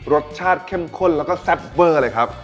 รสชาติเข้มข้นแล้วก็แซ่บเวอร์เลยครับ